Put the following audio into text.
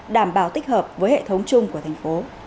đảm bảo tích hợp với hệ thống chung của tp